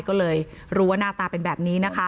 ก็เลยรู้ว่าหน้าตาเป็นแบบนี้นะคะ